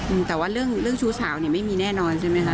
อืมแต่ว่าเรื่องชู้สาวนี่ไม่มีแน่นอนใช่ไหมครับ